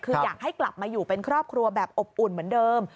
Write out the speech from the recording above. คืออยากให้กลับมาอยู่เป็นครอบครัวแบบอบอุ่นเหมือนเดิม